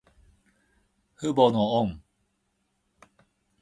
父母の恩。